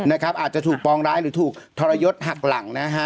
อาจจะถูกปองร้ายหรือถูกทรยศหักหลังนะฮะ